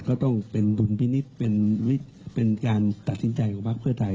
ก็ต้องเป็นดุลพินิษฐ์เป็นการตัดสินใจของภาคเพื่อไทย